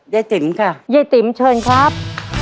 ติ๋มค่ะยายติ๋มเชิญครับ